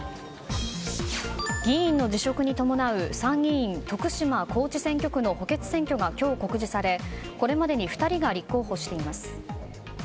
議員の辞職に伴う参議院徳島・高知選挙区の補欠選挙が今日告示されこれまでに２人が立候補しています。